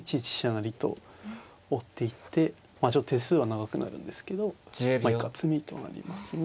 成と追っていってちょっと手数は長くなるんですけど以下詰みとなりますね。